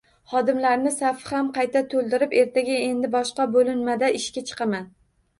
Xodimlarni safi ham qayta to`ldiribdi, ertaga endi boshqa bo`linmada ishga chiqaman